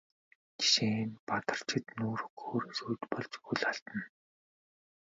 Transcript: Жишээ нь энэ Бадарчид нүүр өгөхөөр сүйд болж хөл алдана.